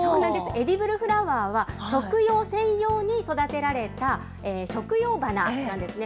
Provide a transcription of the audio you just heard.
エディブルフラワーは、食用専用に育てられた、食用花なんですね。